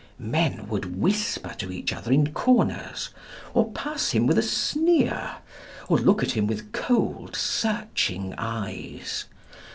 ... Men would whisper to each other in corners, or pass him with a sneer, or look at him with cold, searching eyes.